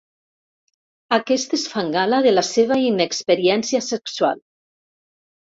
Aquestes fan gala de la seva inexperiència sexual.